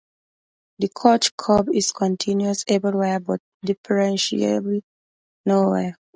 The Koch curve is continuous everywhere but differentiable nowhere.